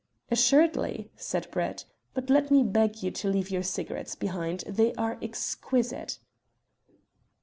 "Assuredly," said Brett; "but let me beg you to leave your cigarettes behind. They are exquisite."